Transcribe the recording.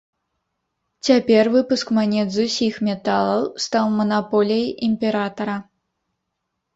Цяпер выпуск манет з усіх металаў стаў манаполіяй імператара.